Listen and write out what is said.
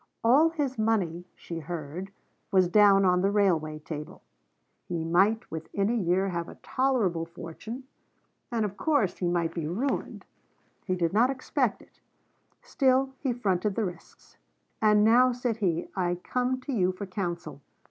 All his money, she heard, was down on the railway table. He might within a year have a tolerable fortune: and, of course, he might be ruined. He did not expect it; still he fronted the risks. 'And now,' said he, 'I come to you for counsel.